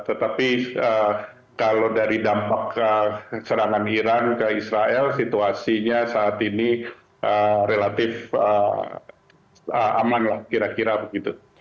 tetapi kalau dari dampak serangan iran ke israel situasinya saat ini relatif aman lah kira kira begitu